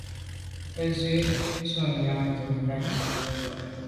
Kâ gə́ zí’jú tɔ̌ míɛ̂nʤám mjɛ̂k mú à yá.